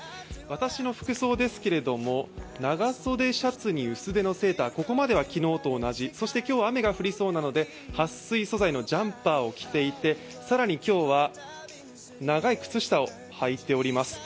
私の服装ですけれども、長袖シャツに薄手のセーター、ここまでは昨日と同じそして今日雨が降りそうなので、はっ水素材のジャンパーを着て更に今日は長い靴下を履いております。